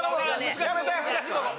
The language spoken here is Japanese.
やめて！